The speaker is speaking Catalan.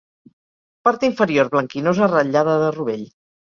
Part inferior blanquinosa ratllada de rovell.